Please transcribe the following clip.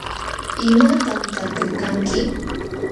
¿imatam talpuykanki?